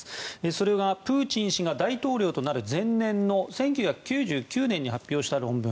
それがプーチン氏が大統領になる前年の１９９９年に発表した論文。